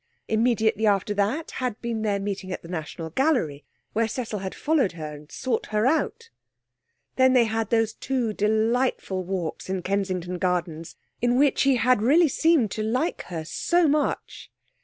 Immediately after that had been their meeting at the National Gallery, where Cecil had followed her and sought her out. Then they had those two delightful walks in Kensington Gardens, in which he had really seemed to 'like' her so much.